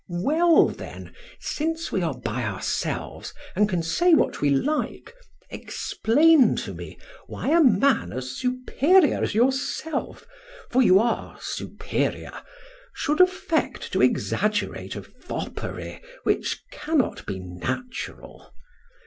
"Well, then, since we are by ourselves, and can say what we like, explain to me why a man as superior as yourself for you are superior should affect to exaggerate a foppery which cannot be natural.